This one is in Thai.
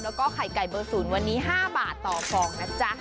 แล้วก็ไข่ไก่เบอร์ศูนย์วันนี้๕บาทต่อฟองนะจ๊ะ